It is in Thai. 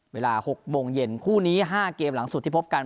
เวลา๖โมงเย็นคู่นี้๕เกมหลังสุดที่พบกัน